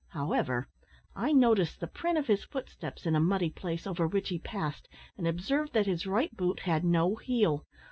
However, I noticed the print of his footsteps, in a muddy place over which he passed, and observed that his right boot had no heel.